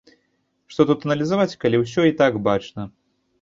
Што тут аналізаваць, калі ўсё і так бачна.